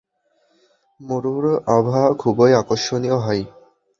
মরুর আভা খুবই আকর্ষণীয় হয়।